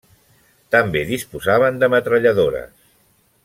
També disposaven de metralladores.